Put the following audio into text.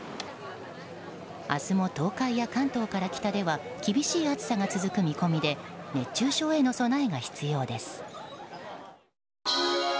明日も東海や関東から北では厳しい暑さが続く見込みで熱中症への備えが必要です。